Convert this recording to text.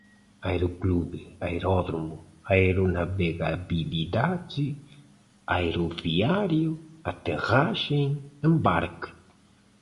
aeroclube, aeródromo, aeronavegabilidade, aeroviário, aterragem, embarque